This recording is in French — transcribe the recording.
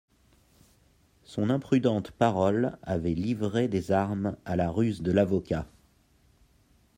Son imprudente parole avait livré des armes à la ruse de l'avocat.